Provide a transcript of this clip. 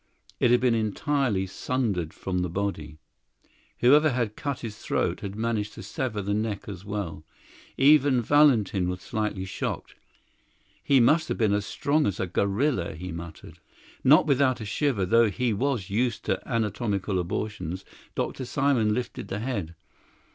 It had been entirely sundered from the body; whoever had cut his throat had managed to sever the neck as well. Even Valentin was slightly shocked. "He must have been as strong as a gorilla," he muttered. Not without a shiver, though he was used to anatomical abortions, Dr. Simon lifted the head.